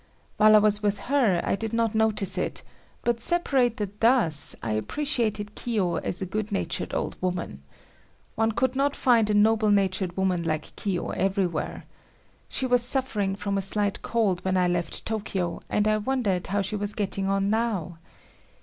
While I was with her I did not notice it, but separated thus I appreciated Kiyo as a good natured old woman. One could not find a noble natured woman like Kiyo everywhere. She was suffering from a slight cold when I left Tokyo and I wondered how she was getting on now?